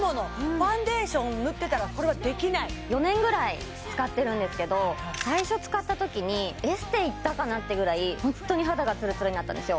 ファンデーション塗ってたらこれはできない４年ぐらい使ってるんですけど最初使った時にエステ行ったかなってぐらいホントに肌がツルツルになったんですよ